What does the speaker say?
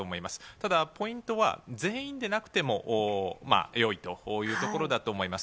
ただポイントは、全員でなくてもよいというところだと思います。